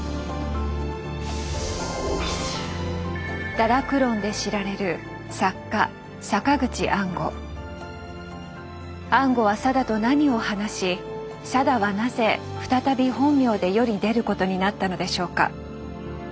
「堕落論」で知られる安吾は定と何を話し定はなぜ再び本名で世に出ることになったのでしょうか？